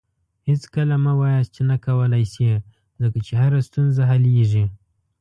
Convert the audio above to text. هېڅکله مه وایاست چې نه کولی شې، ځکه چې هره ستونزه حلیږي.